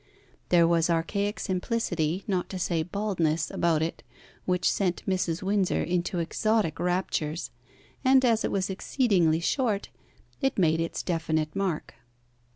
There was archaic simplicity, not to say baldness, about it which sent Mrs. Windsor into exotic raptures, and, as it was exceedingly short, it made its definite mark.